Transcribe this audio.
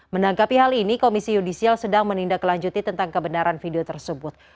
menanggapi hal ini komisi yudisial sedang menindaklanjuti tentang kebenaran video tersebut